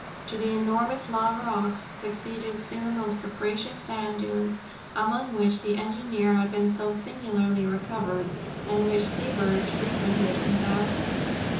To the enormous lava rocks succeeded soon those capricious sand dunes, among which the engineer had been so singularly recovered, and which sea birds frequented in thousands.